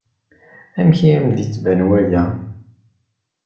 Amek i am-d-yettban waya?